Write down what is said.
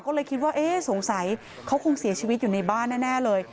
ก็เลยคิดว่าเอ๊ะสงสัยเขาคงเสียชีวิตอยู่ในบ้านแน่เลย